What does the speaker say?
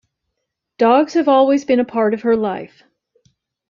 Dogs have always been a part of her life.